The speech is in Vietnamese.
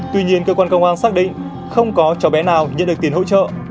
tuy nhiên cơ quan công an xác định không có cháu bé nào nhận được tiền hỗ trợ